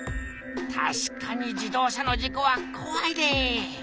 たしかに自動車の事故はこわいで。